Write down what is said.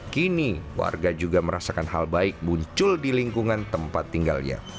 kini warga juga merasakan hal baik muncul di lingkungan tempat tinggalnya